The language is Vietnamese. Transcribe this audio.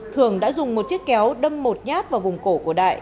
thường đã dùng một chiếc kéo đâm một nhát vào vùng cổ của đại